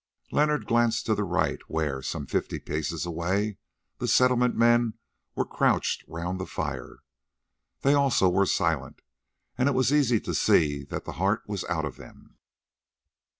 Leonard glanced to the right, where, some fifty paces away, the Settlement men were crouched round the fire. They also were silent, and it was easy to see that the heart was out of them.